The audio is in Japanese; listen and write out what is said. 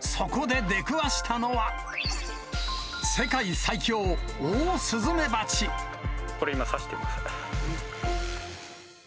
そこで出くわしたのは、世界最強、これ、今、刺してます。